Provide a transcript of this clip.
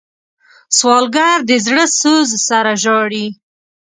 سوالګر د زړه سوز سره ژاړي